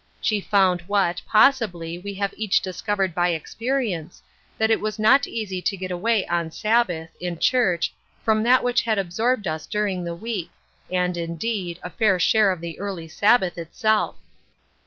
She found what, possibly, we have each discov ered by experience, that it was not easy to get away on Sabbath, in church, from that which had absorbed us during the week, and indeed, a fair share of the early Sabbath itself.